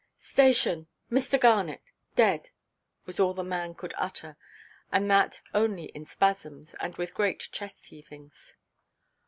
"Station—Mr. Garnet—dead!" was all the man could utter, and that only in spasms, and with great chest–heavings.